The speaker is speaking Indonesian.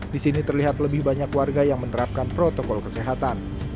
di sini terlihat lebih banyak warga yang menerapkan protokol kesehatan